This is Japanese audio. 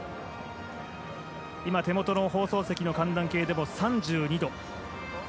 今手元の放送席の寒暖計でも３２度。